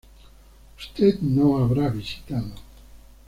Usted no habrá visitado